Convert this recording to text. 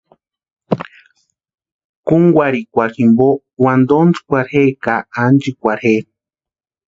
Kúnkwarhikwa jimpo, wantontskwarhi je ka ánchikwarhi je.